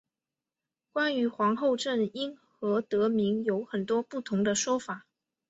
关于皇后镇因何得名有很多不同的说法。